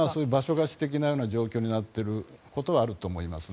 貸し的な状況になっていることはあると思います。